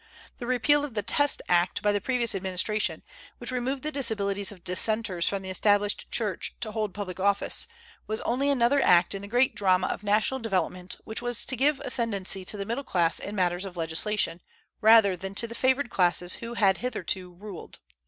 The repeal of the Test Act by the previous administration, which removed the disabilities of Dissenters from the Established Church to hold public office, was only another act in the great drama of national development which was to give ascendency to the middle class in matters of legislation, rather than to the favored classes who had hitherto ruled.